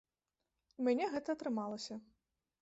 У мяне гэта атрымалася.